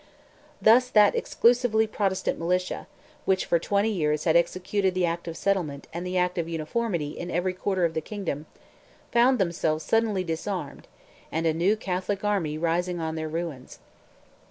Thus that exclusively Protestant militia, which for twenty years had executed the Act of Settlement and the Act of Uniformity in every quarter of the kingdom, found themselves suddenly disarmed, and a new Catholic army rising on their ruins.